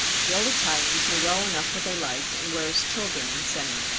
The old Italians knew well enough what they liked and were as children in saying it.